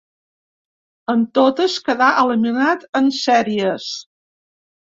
En totes quedà eliminat en sèries.